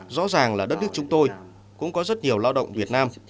rõ ràng là đất nước chúng tôi cũng có rất nhiều lao động việt nam